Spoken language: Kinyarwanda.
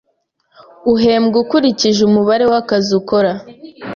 Uhembwa ukurikije umubare wakazi ukora.